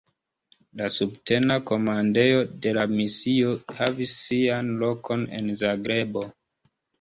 La subtena komandejo de la misio havis sian lokon en Zagrebo.